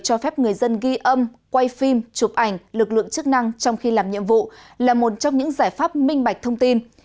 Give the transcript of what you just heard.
cho phép người dân ghi âm quay phim chụp ảnh lực lượng chức năng trong khi làm nhiệm vụ là một trong những giải pháp minh bạch thông tin